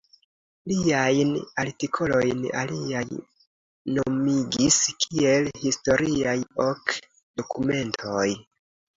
Liajn artikolojn aliaj nomigis kiel Historiaj Ok Dokumentoj.